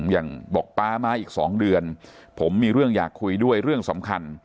บอกป๊ามาอีก๒เดือนผมมีเรื่องอยากคุยด้วยเรื่องสำคัญ